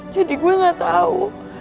jadi gue gatau